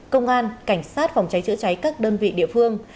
công an cảnh sát phòng cháy chữa cháy các đơn vị địa phương